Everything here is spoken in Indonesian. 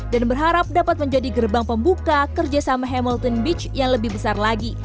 dan berharap dapat menjadi gerbang pembuka kerjasama hamilton beach yang lebih besar lagi